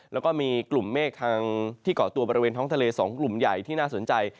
แล้วก็มีกลุ่มเมฆทางที่เกาะตัวบริเวณท้องทะเล๒กลุ่มใหญ่ที่น่าสนใจ